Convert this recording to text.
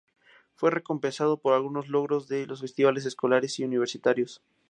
Fue recompensado por algunos de sus logros en los festivales escolares y universitarios.